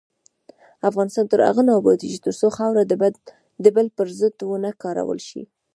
افغانستان تر هغو نه ابادیږي، ترڅو خاوره د بل پر ضد ونه کارول شي.